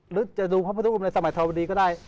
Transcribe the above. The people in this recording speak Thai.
หรือจะดูพระพุทธรูปในสมัยธรวดีก็ได้